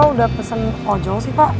gue udah pesen ojo sih pak